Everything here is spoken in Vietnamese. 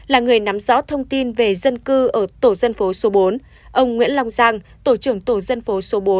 là người nắm rõ thông tin về dân cư ở tổ dân phố số bốn ông nguyễn long giang tổ trưởng tổ dân phố số bốn